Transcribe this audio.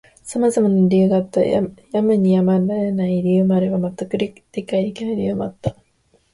様々な理由があった。やむにやまれない理由もあれば、全く理解できない理由もあった。